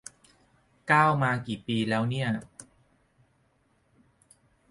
ก้าวมากี่ปีแล้วเนี่ย